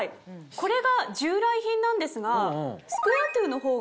これが従来品なんですが。